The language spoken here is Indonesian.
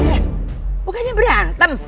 eh bukannya berantem